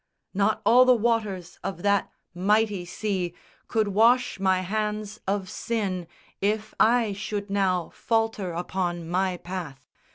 Not all the waters of that mighty sea Could wash my hands of sin if I should now Falter upon my path.